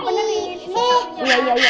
masih ada yang ngelakuin